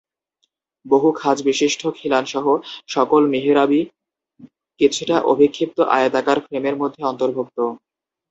বহু খাঁজবিশিষ্ট খিলানসহ সকল মিহরাবই কিছুটা অভিক্ষিপ্ত আয়তাকার ফ্রেমের মধ্যে অন্তর্ভুক্ত।